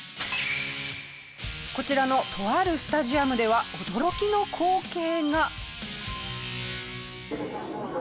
こちらのとあるスタジアムでは驚きの光景が。